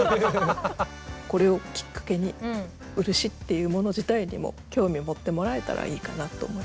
これをきっかけに漆っていうもの自体にも興味を持ってもらえたらいいかなと思います。